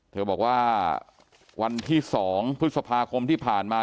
เธอบอกว่าวันที่๒พฤษภาคมที่ผ่านมา